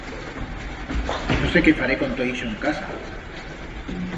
No sé qué faré con tot ixo en casa.